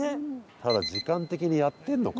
ただ時間的にやってるのか？